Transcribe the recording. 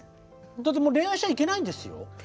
だってもう恋愛しちゃいけないんですよ。